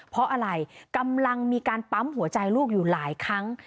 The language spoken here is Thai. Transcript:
เพราะอะไรกำลังมีการปั๊มหัวใจลูกอยู่หลายครั้ง